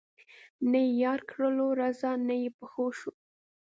نه یې یار کړلو رضا نه یې په ښه شو